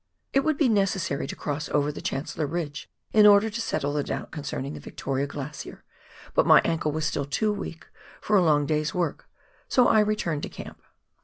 It would be necessary to cross over the Chancellor Jlidge in order to settle the doubt concerning the Victoria Glacier, but my ankle was still too weak for a long day's work, so I returned to camp.